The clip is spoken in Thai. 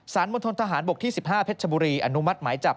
มณฑนทหารบกที่๑๕เพชรชบุรีอนุมัติหมายจับ